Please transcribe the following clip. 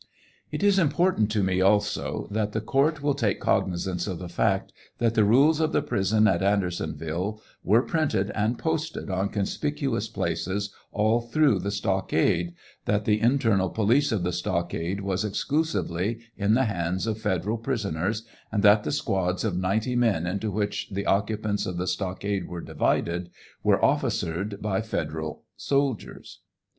It is important to me, also, that the court will take cognizance of the fact that the rules of the prison at Andersonville were printed and posted on conspicuous places all through the stockade, that the internal police of the stockade was exclusively in the hands of federal prisoners, and that the squads of ninety men into which the occupants of the stockade were divided, were officered by federal soldiers.